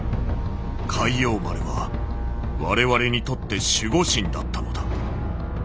「『開陽丸』は我々にとって守護神だったのだ。